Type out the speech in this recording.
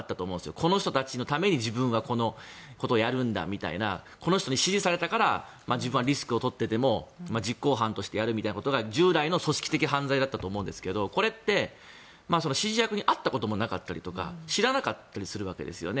この人たちのために自分はこのことをやるんだとかこの人に指示されたから自分はリスクを取ってでも実行犯としてやるみたいなことが従来の組織的犯罪だったと思いますがこれって指示役に会ったこともなかったりとか知らなかったりするわけですよね。